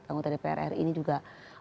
tanggung tdprr ini juga